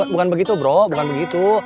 bukan begitu bro bukan begitu